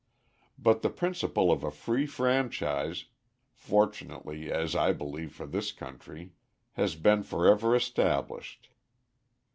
But the principle of a free franchise fortunately, as I believe, for this country has been forever established.